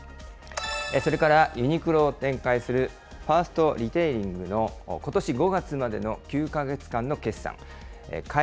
それから、ユニクロを展開するファーストリテイリングのことし５月までの９か月間の決算。